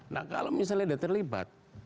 nah kalau misalnya dia terlibat